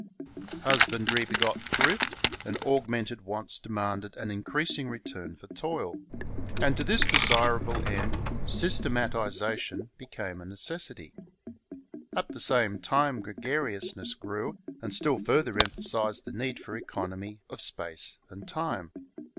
Husbandry begot thrift; and augmented wants demanded an increasing return for toil ; and to this desirable end systematization be came a necessity. At the same time gregariousness grew and still further emphasized the need for economy of space and time.